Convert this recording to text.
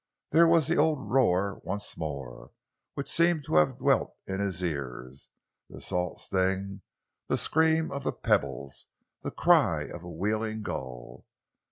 There was the old roar once more, which seemed to have dwelt in his ears; the salt sting, the scream of the pebbles, the cry of a wheeling gull.